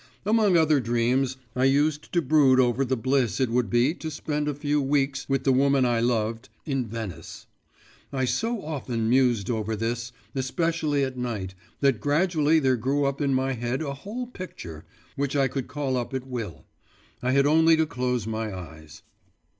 Among other dreams, I used to brood over the bliss it would be to spend a few weeks, with the woman I loved, in Venice. I so often mused over this, especially at night, that gradually there grew up in my head a whole picture, which I could call up at will: I had only to close my eyes.